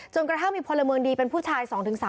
กระทั่งมีพลเมืองดีเป็นผู้ชาย๒๓